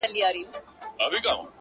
په سپورږمۍ كي زمــــا پــيــــر دى-